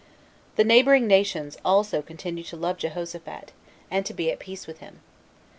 The neighboring nations also continued to love Jehoshaphat, and to be at peace with him.